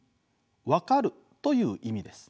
わかるという意味です。